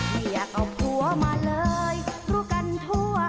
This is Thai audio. ไม่อยากเอาผัวมาเลยรู้กันทั่ว